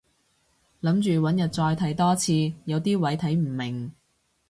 諗住搵日再睇多次，有啲位睇唔明